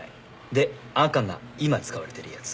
で赤が今使われてるやつ。